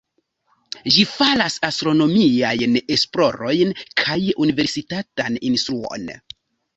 Ĝi faras astronomiajn esplorojn kaj universitatan instruon.